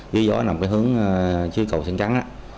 phía gió nằm cái hướng chứa cầu sang trắng